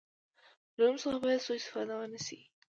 له نوم څخه باید سوء استفاده ونه شي.